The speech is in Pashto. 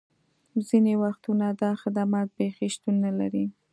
ځینې وختونه دا خدمات بیخي شتون نه لري